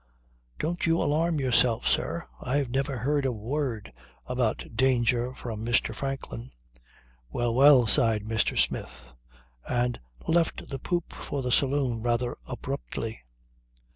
Don't you alarm yourself, sir. I've never heard a word about danger from Mr. Franklin." "Well, well," sighed Mr. Smith and left the poop for the saloon rather abruptly.